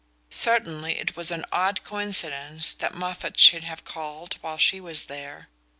Certainly it was an odd coincidence that Moffatt should have called while she was there...